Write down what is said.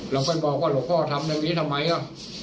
แล้วก็บอกว่าลูกพ่อทำอย่างนี้ทำไมล่ะ